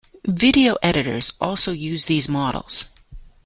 Video editors also use these models.